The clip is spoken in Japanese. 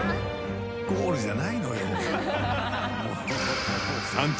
ゴールじゃないのよ。